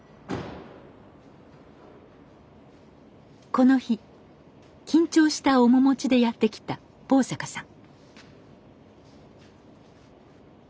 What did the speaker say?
この日緊張した面持ちでやって来た坊坂さん。